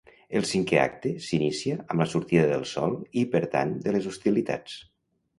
El cinquè acte s'inicia amb la sortida del sol i per tant de les hostilitats.